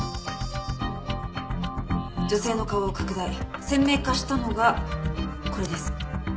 女性の顔を拡大鮮明化したのがこれです。